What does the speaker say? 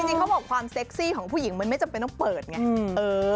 จริงเขาบอกความเซ็กซี่ของผู้หญิงมันไม่จำเป็นต้องเปิดไง